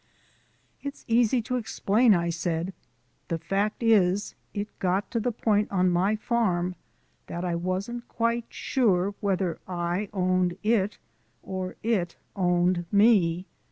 "It's easy to explain," I said. "The fact is, it got to the point on my farm that I wasn't quite sure whether I owned it or it owned me.